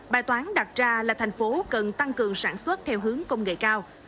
bài toán đặt ra là thành phố cần tăng cường sản xuất theo hướng công nghệ cao